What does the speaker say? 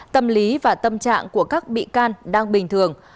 tâm lý và tâm trạng của các bị can đang bình thường